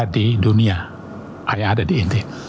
ada di dunia hanya ada di nd